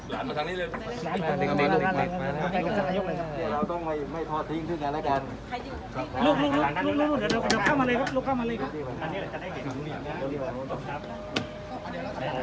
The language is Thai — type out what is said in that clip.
ล้านมาทางนี้เลยล้านมาลูกล้านมาลูกล้านมาลูก